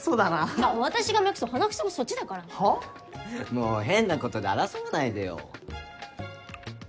もう変なことで争わないでよ。